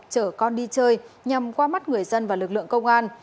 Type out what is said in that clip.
chở con đi chơi nhằm qua mắt người dân và lực lượng công an